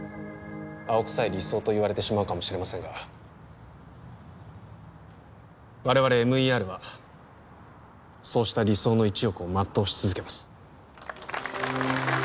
青臭い理想と言われてしまうかもしれませんが我々ＭＥＲはそうした理想の一翼をまっとうし続けます